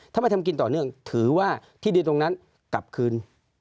ถ้าไม่ทำกินต่อเนื่องถือว่าที่ดินตรงนั้นกลับคืน